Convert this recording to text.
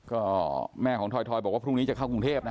ก็แม่ของถอยบอกว่าพรุ่งนี้จะเข้ากรุงเทพนะฮะ